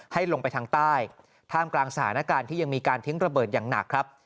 ให้ลงไปทางใต้ท่ามกลางสถานการณ์ที่ยังมีการทิ้งระเบิดอย่างหนักครับ